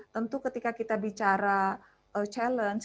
tentu ketika kita bicara challenge